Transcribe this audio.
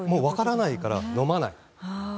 分からないから飲まない。